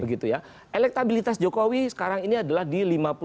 begitu ya elektabilitas jokowi sekarang ini adalah di lima puluh dua lima puluh tiga